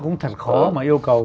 cũng thật khó mà yêu cầu